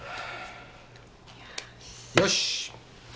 よし！